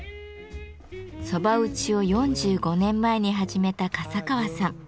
蕎麦打ちを４５年前に始めた笠川さん。